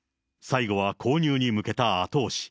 最後は購入に向けた後押し。